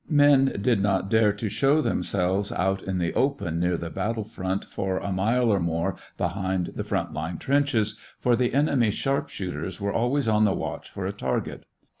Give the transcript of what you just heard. Men did not dare to show themselves out in the open near the battle front for a mile or more behind the front line trenches, for the enemy's sharp shooters were always on the watch for a target.